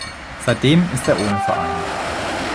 Seitdem ist er ohne Verein.